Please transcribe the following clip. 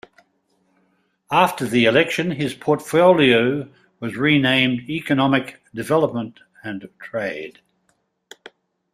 After the election, his portfolio was renamed "Economic Development and Trade".